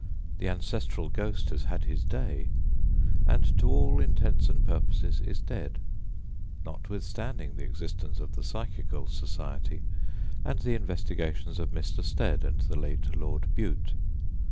The ancestral ghost has had his day, and to all intents and purposes is dead, notwithstanding the existence of the Psychical Society and the investigations of Mr. Stead and the late Lord Bute.